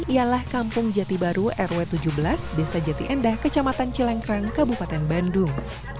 ialah kampung jati baru rw tujuh belas desa jati endah kecamatan cilengkrang kabupaten bandung